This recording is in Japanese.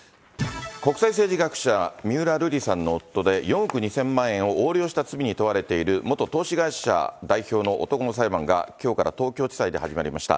国際政治学者、三浦瑠麗さんの夫で、４億２０００万円を横領した罪に問われている元投資会社代表の男の裁判がきょうから東京地裁で始まりました。